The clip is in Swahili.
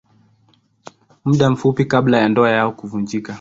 Muda mfupi kabla ya ndoa yao kuvunjika.